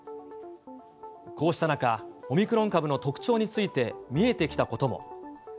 こうした中、オミクロン株の特徴について見えてきたことも。